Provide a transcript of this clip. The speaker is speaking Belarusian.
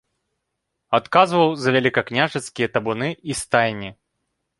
Адказваў за вялікакняжацкія табуны і стайні.